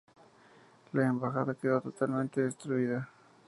La embajada quedó totalmente destruida.